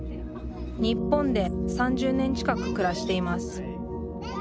日本で３０年近く暮らしています。